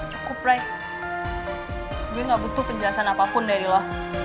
cukup baik gue gak butuh penjelasan apapun dari lo